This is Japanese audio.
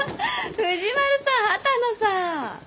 藤丸さん波多野さん！